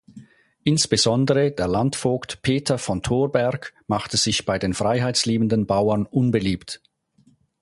Insbesondere der Landvogt Peter von Thorberg machte sich bei den freiheitsliebenden Bauern unbeliebt.